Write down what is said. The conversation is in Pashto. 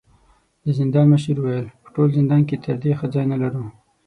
د زندان مشر وويل: په ټول زندان کې تر دې ښه ځای نه لرو.